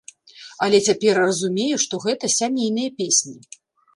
Але цяпер разумею, што гэта сямейныя песні.